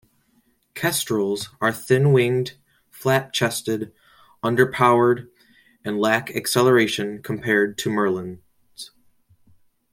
Kestrels are thin-winged, flat-chested, under-powered and lack acceleration compared to merlins.